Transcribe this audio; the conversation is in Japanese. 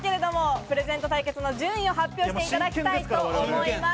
プレゼント対決の順位を発表していただきたいと思います。